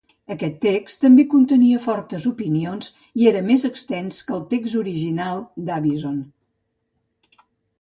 Aquest text també contenia fortes opinions i era més extens que el text original d'Avison.